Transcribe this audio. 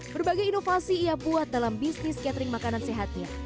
berbagai inovasi ia buat dalam bisnis catering makanan sehatnya